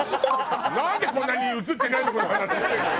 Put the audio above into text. なんでこんなに映ってないとこの話してるのよ！